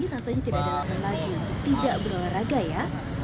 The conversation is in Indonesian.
rasanya tidak ada alasan lagi untuk tidak berolahraga ya